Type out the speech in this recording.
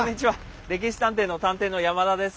「歴史探偵」の探偵の山田です。